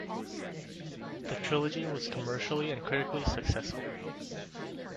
The trilogy was commercially and critically successful.